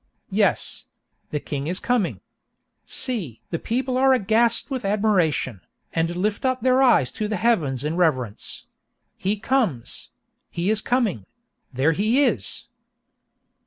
Yes—the king is coming! See! the people are aghast with admiration, and lift up their eyes to the heavens in reverence. He comes!—he is coming!—there he is!